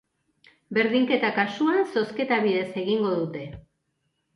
Berdinketa kasuan, zozketa bidez egingo dute.